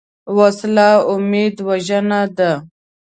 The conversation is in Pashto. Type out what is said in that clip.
وسله امید وژنه ده